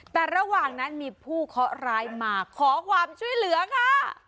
แต่ระหว่างนั้นมีผู้เคาะร้ายมาขอความช่วยเหลือค่ะ